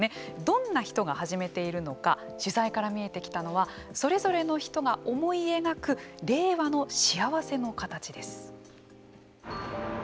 どんな人が始めているのか取材から見えてきたのはそれぞれの人が思い描く令和の幸せのカタチです。